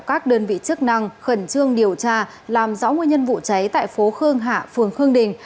các đơn vị chức năng khẩn trương điều tra làm rõ nguyên nhân vụ cháy tại phố khương hạ phường khương đình